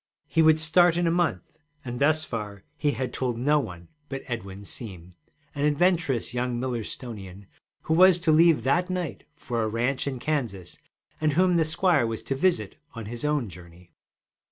He would start in a month, and thus far he had told no one but Edwin Seem, an adventurous young Millerstonian who was to leave that night for a ranch in Kansas, and whom the squire was to visit on his own journey.